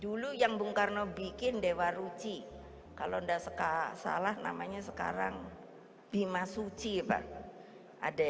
dulu yang bung karno bikin dewa ruci kalau enggak suka salah namanya sekarang bima suci pak ada